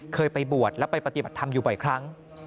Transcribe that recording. เคยไปบวชและไปปฏิบัติธรรมอยู่บ่อยครั้ง